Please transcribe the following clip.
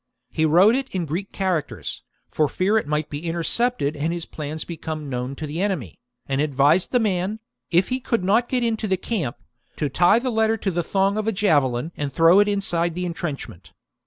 He wrote it in Greek characters,^ for fear cicero. it might be intercepted and his plans become known to the enemy, and advised the man, if he could not get into the camp, to tie the letter to the thong of a javelin and throw it inside the entrenchment.